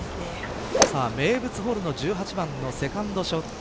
名物ホールの１８番のセカンドショット。